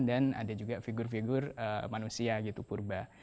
dan ada juga figur figur manusia gitu purba